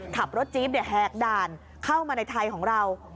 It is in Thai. จี๊บแหกด่านเข้ามาในไทยของเรา